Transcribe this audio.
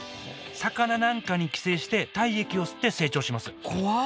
魚なんかに寄生して体液を吸って成長します怖っ！